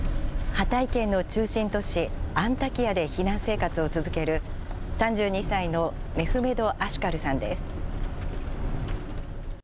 ハタイ県の中心都市アンタキヤで避難生活を続ける、３２歳のメフメド・アシュカルさんです。